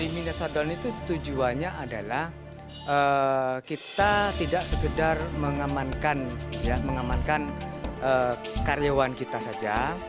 tiga minute shutdown itu tujuannya adalah kita tidak sekedar mengamankan karyawan kita saja